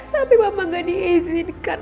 tapi mama gak diizinkan